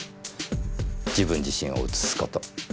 自分自身を写す事。